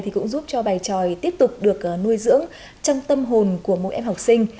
cũng giúp cho bài tròi tiếp tục được nuôi dưỡng trong tâm hồn của mỗi em học sinh